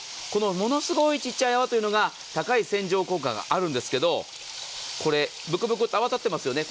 ものすごいちっちゃい泡というのが高い洗浄効果があるんですがこれ、ブクブクと泡が立っていますよね。